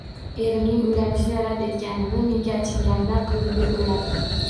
Erimning uylanishni rad etganini, menga achinganidan qildi deb o`yladim